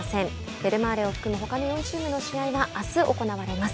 ベルマーレを含むほかの４チームの試合はあす行われます。